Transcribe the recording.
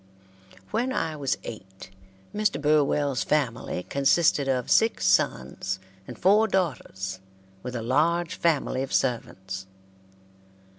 When I was eight, Mr. Burwell's family consisted of six sons and four daughters, with a large family of servants.